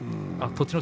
栃ノ